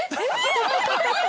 ハハハハ！